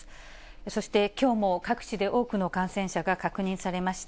そしてきょうも各地で、多くの感染者が確認されました。